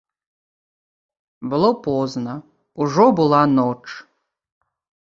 Было позна, ужо была ноч.